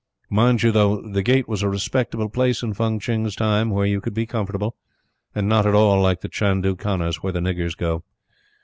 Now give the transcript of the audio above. Mind you, though, the Gate was a respectable place in Fung Tching's time where you could be comfortable, and not at all like the chandoo khanas where the niggers go.